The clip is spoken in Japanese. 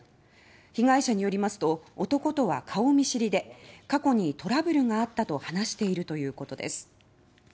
被害者によりますと男とは顔見知りで過去にトラブルがあったと話しているということです。